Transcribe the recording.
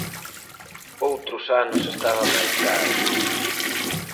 Outros anos estaba máis caro.